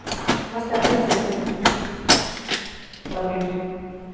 Más tarde entrenaría al Unión Deportiva Los Barrios.